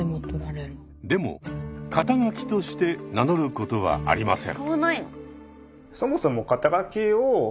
でも肩書として名乗ることはありません。